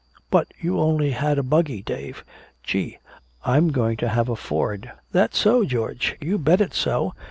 "But you only had a buggy, Dave! Gee! I'm going to have a Ford!" "That so, George?" "You bet it's so!